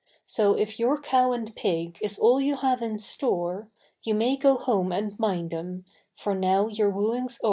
So if your cow and pig, Is all you have in store, You may go home and mind eâm, For now your wooingâs oeâr.